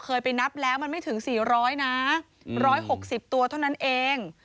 เคยไปนับแล้วมันไม่ถึง๔๐๐นะ๑๖๐ตัวเท่านั้นเอง